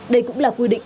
đây cũng là quy định